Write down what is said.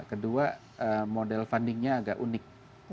kedua model fundingnya agak unik